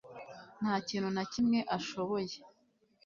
ntakintu nakimwe ashoboye